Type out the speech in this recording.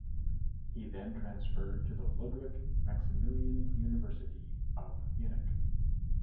He then transferred to the Ludwig Maximilian University of Munich.